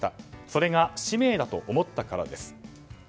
それが使命だと思ったからです。